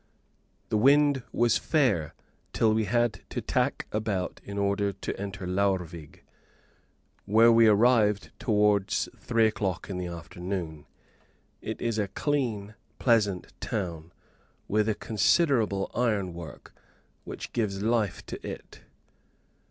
The wind was fair, till we had to tack about in order to enter Laurvig, where we arrived towards three o'clock in the afternoon. It is a clean, pleasant town, with a considerable iron work, which gives life to it.